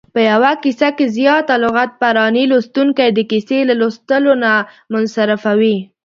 په یوه کیسه کې زیاته لغت پراني لوستونکی د کیسې له لوستلو نه منصرفوي.